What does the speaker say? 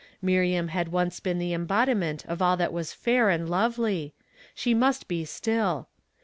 Miriam had once been the embodiment of all that was fair and lovely, she must Ije still.